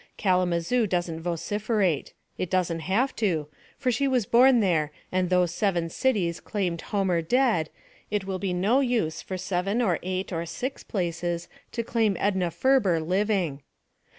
Kalamazoo doesn't vocif erate. It doesn't have to, for she was born there and though seven cities claimed Homer dead it will be no use for seven or eight or six places to claim Edna Ferber living.